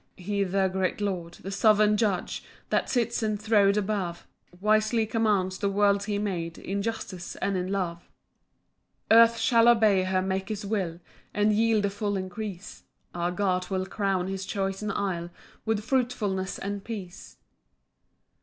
5 He the great Lord, the sovereign Judge, That sits enthron'd above, Wisely commands the worlds he made In justice and in love. 6 Earth shall obey her Maker's will, And yield a full increase; Our God will crown his chosen isle With fruitfulness and peace.